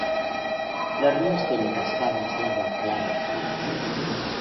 Los ríos tienen cascadas de agua clara y fría.